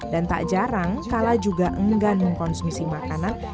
dan tak jarang kala juga enggan mengkonsumsi makanan